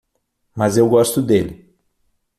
Mas eu gosto dele.